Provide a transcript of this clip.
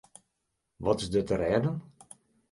Wat is der te rêden?